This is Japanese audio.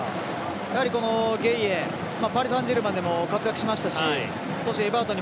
やはり、ゲイエパリサンジェルマンでも活躍しましたしそして、